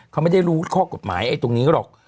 เขาไม่ได้รู้ข้อกฎหมายไอ้ตรงนี้หรอก